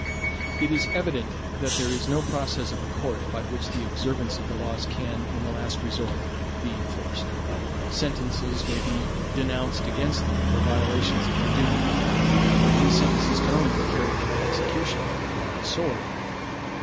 It is evident that there is no process of a court by which the observance of the laws can, in the last resort, be enforced. Sentences may be denounced against them for violations of their duty; but these sentences can only be carried into execution by the sword.